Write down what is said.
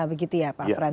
begitu ya pak frans